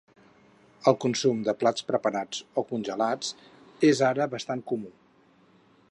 El consum de plats preparats o congelats és ara bastant comú.